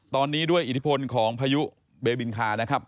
ตอนนี้ด้วยอิทธิพลของพายุเบบินคานะครับ